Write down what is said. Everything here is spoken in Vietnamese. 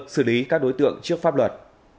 xử lý các đối tượng trước pháp luật